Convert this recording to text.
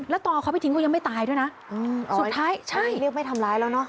แล้วต่อเขาไปทิ้งเขายังไม่ตายด้วยนะสุดท้ายใช่เรียกไม่ทำร้ายแล้วเนอะ